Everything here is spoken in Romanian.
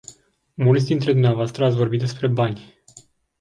Mulți dintre dvs. ați vorbit despre bani.